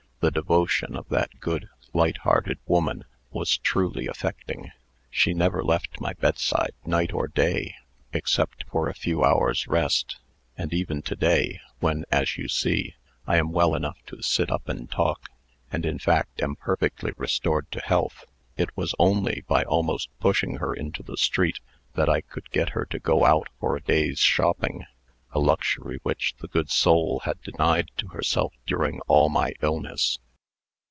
The devotion of that good, light hearted woman was truly affecting. She never left my bedside, night or day, except for a few hours' rest; and even to day, when, as you see, I am well enough to sit up and talk, and, in fact, am perfectly restored to health, it was only by almost pushing her into the street that I could get her to go out for a day's shopping a luxury which the good soul had denied to herself during all my illness."